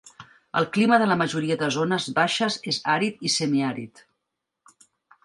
El clima de la majoria de zones baixes és àrid i semiàrid.